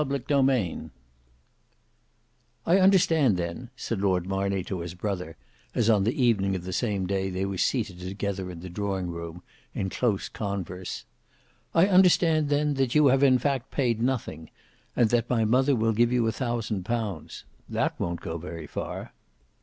Book 2 Chapter 6 "I understand, then," said Lord Marney to his brother, as on the evening of the same day they were seated together in the drawing room, in close converse "I understand then, that you have in fact paid nothing, and that my mother will give you a thousand pounds. That won't go very far."